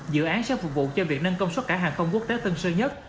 dự án sẽ phục vụ cho việc nâng công suất cả hàng không quốc tế tân sơ nhất